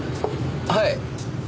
はい。